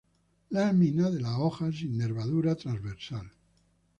Láminas de las hojas sin nervadura transversal.